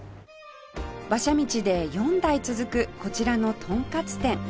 馬車道で４代続くこちらのトンカツ店